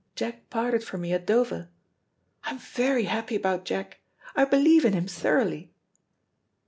Jack parted from me at Dover. I am very happy about Jack. I believe in him thoroughly."